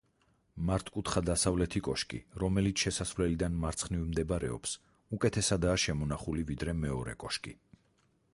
მართკუთხა დასავლეთი კოშკი, რომელიც შესასვლელიდან მარცხნივ მდებარეობს უკეთესადაა შემონახული ვიდრე მეორე კოშკი.